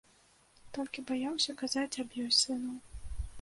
Толькі баяўся казаць аб ёй сыну.